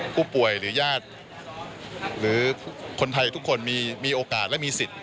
ผู้ป่วยหรือญาติหรือคนไทยทุกคนมีโอกาสและมีสิทธิ์